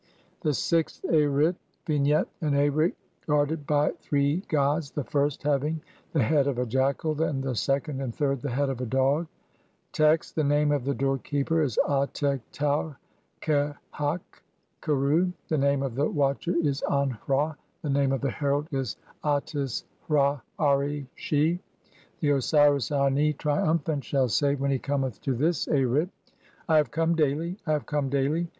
The Sixth Arit. Vignette : An Arit guarded by three gods, the first having the head of a jackal, and the second and third the head of a dog. Text : (1) The name (2) of the doorkeeper is Atek tau kehaq (3) kheru ; the name of the (4) watcher is An hra ; (5) the name of the herald is (6) Ates hra [ari] she. The Osiris Ani, trium phant, shall say [when he cometh to this Arit] :— "I have "come (7) daily, I have come daily.